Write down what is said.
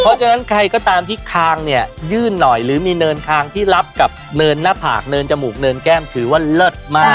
เพราะฉะนั้นใครก็ตามที่คางเนี่ยยื่นหน่อยหรือมีเนินคางที่รับกับเนินหน้าผากเนินจมูกเนินแก้มถือว่าเลิศมาก